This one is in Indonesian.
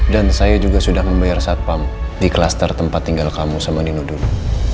dan saya juga sudah membayar satpam di klaster tempat tinggal kamu sama nino dulu